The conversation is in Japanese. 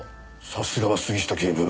さすがは杉下警部。